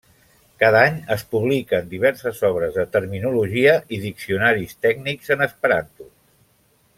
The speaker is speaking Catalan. Cada any es publiquen diverses obres de terminologia i diccionaris tècnics en esperanto.